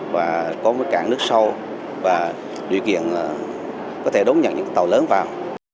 và có một cảng nước sâu và điều kiện có thể đón nhận những tàu lớn vào